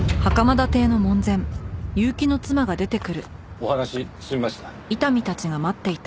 お話済みました？